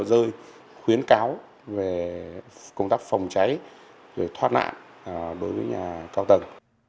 rơi khuyến cáo về công tác phòng cháy để thoát nạn đối với nhà cao tầng